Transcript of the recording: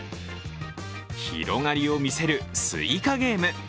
広がりを見せる「スイカゲーム」。